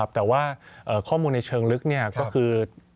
แต่ว่าข้อมูลในเชิงลึกก็คือ